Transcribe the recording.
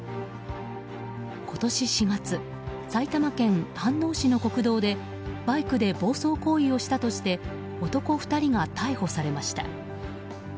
今年４月、埼玉県飯能市の国道でバイクで暴走行為をしたとして男２人が逮捕されました。